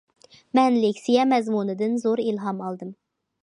مەن لېكسىيە مەزمۇنىدىن زور ئىلھام ئالدىم.